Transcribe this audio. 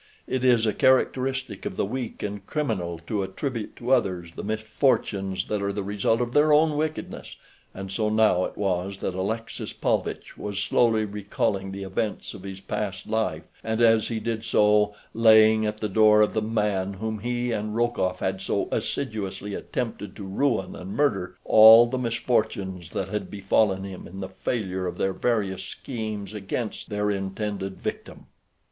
It is a characteristic of the weak and criminal to attribute to others the misfortunes that are the result of their own wickedness, and so now it was that Alexis Paulvitch was slowly recalling the events of his past life and as he did so laying at the door of the man whom he and Rokoff had so assiduously attempted to ruin and murder all the misfortunes that had befallen him in the failure of their various schemes against their intended victim.